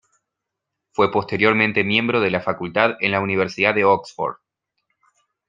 Fue posteriormente miembro de la facultad en la Universidad de Oxford.